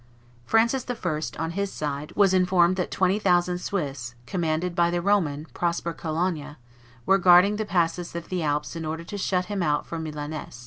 Francis I., on his side, was informed that twenty thousand Swiss, commanded by the Roman, Prosper Colonna, were guarding the passes of the Alps in order to shut him out from Milaness.